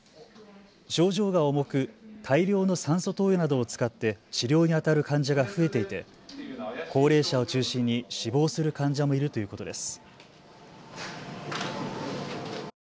症状が重く大量の酸素投与などを使って治療にあたる患者が増えていて高齢者を中心に死亡する患者もいるということです。